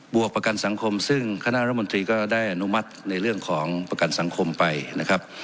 วกประกันสังคมซึ่งคณะรัฐมนตรีก็ได้อนุมัติในเรื่องของประกันสังคมไปนะครับ